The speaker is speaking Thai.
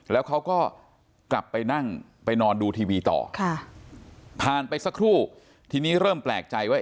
แล้วเขาก็กลับไปนั่งไปนอนดูทีวีต่อค่ะผ่านไปสักครู่ทีนี้เริ่มแปลกใจว่า